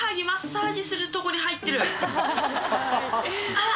あら。